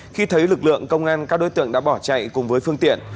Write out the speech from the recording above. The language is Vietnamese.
khi thấy lực lượng công an các đối tượng đã bỏ chạy cùng với phương tiện